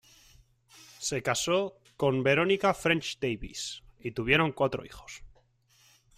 Se casó con Verónica French-Davis y tuvieron cuatro hijos.